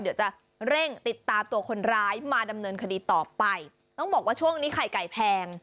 เดี๋ยวจะเร่งติดตามตัวคนร้ายมาดำเนินคดีต่อไปต้องบอกว่าช่วงนี้ไข่ไก่แพง